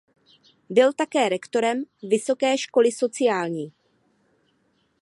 Byl také rektorem Vysoké školy sociální.